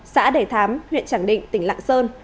xã đẻ thám huyện trảng định tỉnh lạng sơn